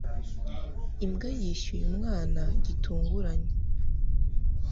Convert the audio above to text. Imbwa yishyuye umwana gitunguranye.